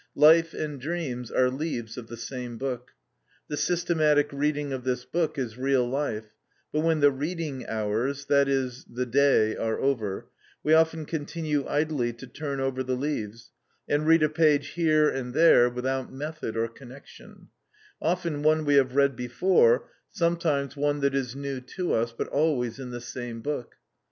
Life and dreams are leaves of the same book. The systematic reading of this book is real life, but when the reading hours (that is, the day) are over, we often continue idly to turn over the leaves, and read a page here and there without method or connection: often one we have read before, sometimes one that is new to us, but always in the same book.